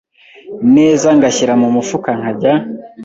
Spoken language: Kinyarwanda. neza ngashyira mu mufuka nkajya